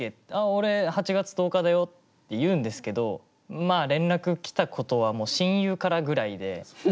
「俺８月１０日だよ」って言うんですけどまあ連絡来たことはもう親友からぐらいで。